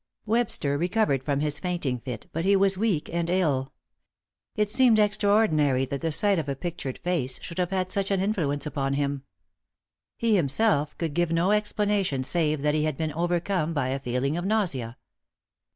Webster recovered from his fainting fit, but he was weak and ill. It seemed extraordinary that the sight of a pictured face should have had such an influence upon him. He himself could give no explanation save that he had been overcome by a feeling of nausea.